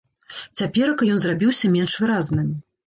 Цяперака ён зрабіўся менш выразным.